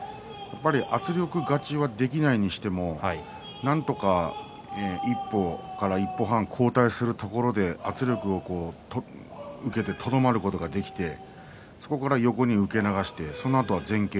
圧力勝ちはできないにしてもなんとか一歩から一歩半後退することで圧力を受けてとどまることができてそこから横に受け流してそのあとは前傾、